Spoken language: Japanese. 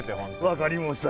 分かり申した。